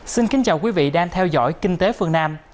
xin kính chào quý vị đang theo dõi kinh tế phương nam